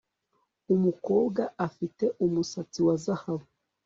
Umukobwa afite umusatsi wa zahabu